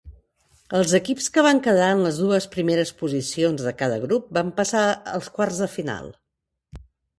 Els equips que van quedar en les dues primeres posicions de cada grup van passar als quarts de final.